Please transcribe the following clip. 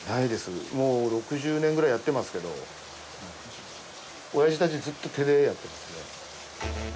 もう６０年ぐらいやっていますけどおやじたち、ずっと手でやっていますね。